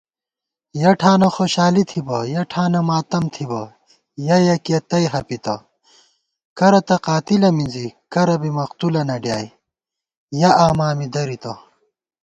یَہ ٹھانہ خوشالی تھِبہ، یَہ ٹھانہ ماتم تھِبہ یَیَکِیہ تئ ہَپِتہ * کرہ تہ قاتِلہ مِنزی ، کرہ بی مقتولَنہ ڈیائے یَہ آما می دَرِتہ